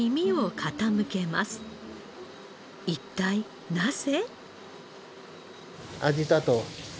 一体なぜ？